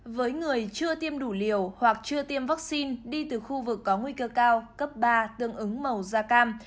với người chưa tiêm đủ liều hoặc chưa tiêm vaccine đi từ khu vực có nguy cơ cao cấp ba tương ứng màu da cam